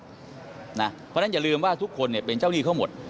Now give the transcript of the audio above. เพราะฉะนั้นอย่าลืมว่าทุกคนเป็นเจ้าหนี้เขาหมด